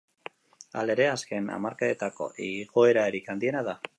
Halere, azken hamarkadetako igoerarik handiena da.